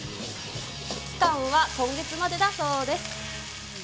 期間は今月までだそうです。